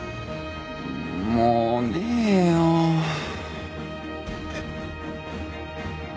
もうねえよ。えっ。ああ。